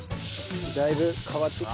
だいぶ変わってきた。